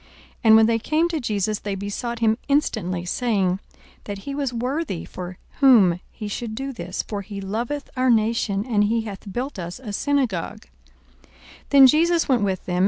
42:007:004 And when they came to Jesus, they besought him instantly, saying, That he was worthy for whom he should do this: 42:007:005 For he loveth our nation, and he hath built us a synagogue. 42:007:006 Then Jesus went with them.